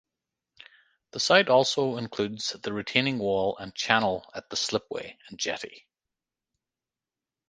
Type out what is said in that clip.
The site also includes the retaining wall and channel at the slipway and jetty.